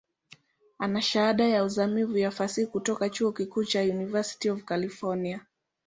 Ana Shahada ya uzamivu ya Fasihi kutoka chuo kikuu cha University of California.